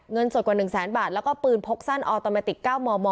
เงินสดกว่าหนึ่งแสนบาทแล้วก็ปืนพกสั้นออร์ตอเมติกเก้ามม